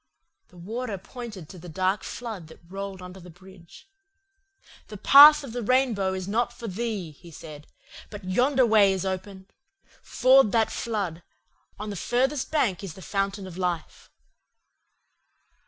"The Warder pointed to the dark flood that rolled under the bridge. "'The path of the rainbow is not for thee,' he said, 'but yonder way is open. Ford that flood. On the furthest bank is the fountain of life.